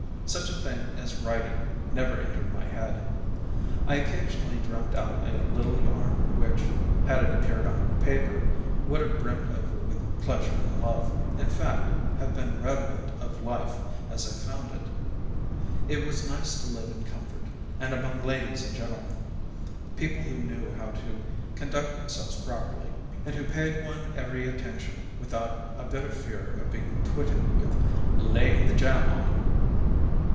Such a thing as writing never entered my head. I occasionally dreamt out a little yarn which, had it appeared on paper, would have brimmed over with pleasure and love in fact, have been redolent of life as I found it. It was nice to live in comfort, and among ladies and gentlemen people who knew how to conduct themselves properly, and who paid one every attention without a bit of fear of being twitted with "laying the jam on".